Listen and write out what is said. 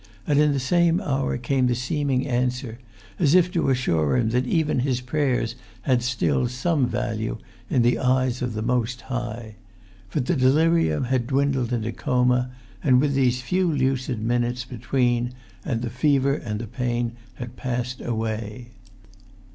And in the same hour came the seeming answer, as if to assure him that even his prayers had still some value in the eyes of the Most High. For delirium had dwindled into coma, with these few lucid minutes between, and the fever and the pain had passed away.